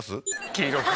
黄色く？